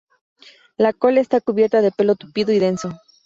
La cola está cubierta de pelo tupido y denso.